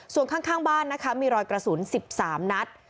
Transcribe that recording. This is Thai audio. ส่วนข้างบ้านนะคะมีรอยกระสุน๑๓นัด